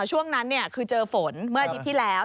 ช่วงนั้นคือเจอฝนเมื่ออาทิตย์ที่แล้ว